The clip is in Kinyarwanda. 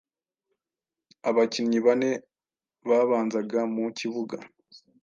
Abakinnyi bane babanzaga mu kibuga,